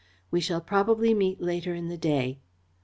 We shall probably meet later in the day."